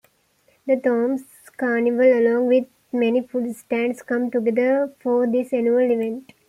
The Thomas Carnival along with many food stands come together for this annual event.